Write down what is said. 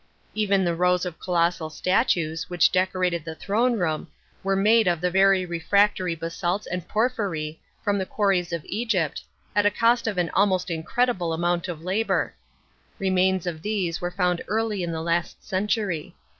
Even the rows of colossal statues, which decorated the throne room, were made of the very refractory basalts and porphyry from the quarries of Egypt, at a cost of an almost incredible amount of labour. Remains of these were found early in the last century.